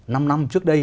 năm năm trước đây